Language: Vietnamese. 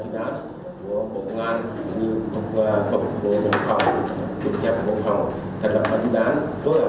đối tượng công an và quân sự trên cả nước toàn bộ cả nước tự vọng